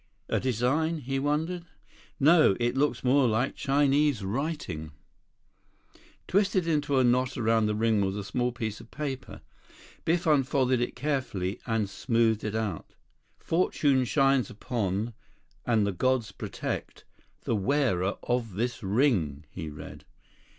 "A design?" he wondered. "No, it looks more like Chinese writing." 3 Nothing moved in the eerie light of dawn 4 Twisted into a knot around the ring was a small piece of paper. Biff unfolded it carefully and smoothed it out. "Fortune shines upon, and the gods protect, the wearer of this ring," he read.